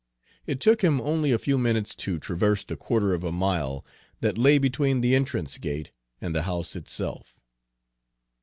It took him only a few minutes to traverse the quarter of a mile that lay between the entrance gate and the house itself.